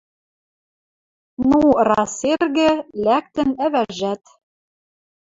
Ну, раз эргӹ, лӓктӹн ӓвӓжӓт.